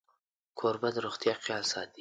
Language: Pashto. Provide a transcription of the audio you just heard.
کوربه د روغتیا خیال ساتي.